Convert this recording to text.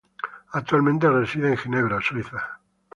Actualmente reside en Ginebra, Suiza.